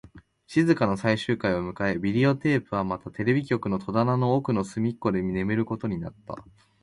静かな最終回を迎え、ビデオテープはまたテレビ局の戸棚の奥の隅っこで眠ることになった